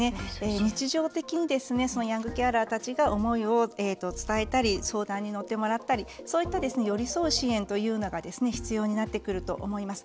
日常的にヤングケアラーたちが思いを伝えたり相談に乗ってもらったりそういった寄り添う支援というのが必要になってくると思います。